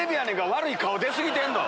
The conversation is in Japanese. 悪い顔出過ぎてんぞ。